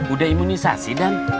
udah imunisasi dan